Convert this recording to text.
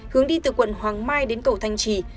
hướng đi từ quận hoàng mai đến cầu thanh trì